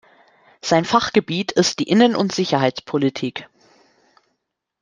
Sein Fachgebiet ist die Innen- und Sicherheitspolitik.